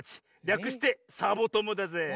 りゃくしてサボともだぜぇ。